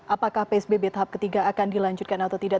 apakah psbb tahap ketiga akan dilanjutkan atau tidak